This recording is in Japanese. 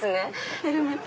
ヘルメット。